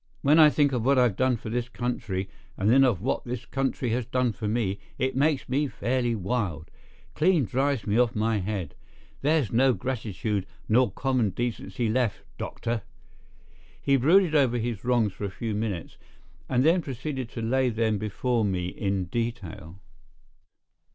When I think of what I've done for this country, and then of what this country has done for me, it makes me fairly wild—clean drives me off my head. There's no gratitude nor common decency left, doctor!" He brooded over his wrongs for a few minutes, and then proceeded to lay them before me in detail.